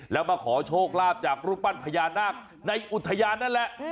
แล้วมาขอโชคลาภจากรูปปั้นพญานาคในอุทยานนั่นแหละ